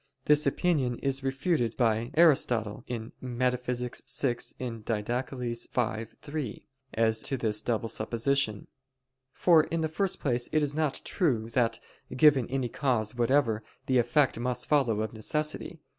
This opinion is refuted by Aristotle (Metaph. vi, Did. v, 3) as to this double supposition. For in the first place it is not true that, given any cause whatever, the effect must follow of necessity.